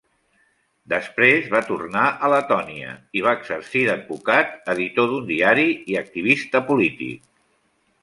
Després va tornar a Letònia i va exercir d'advocat, editor d'un diari i activista polític.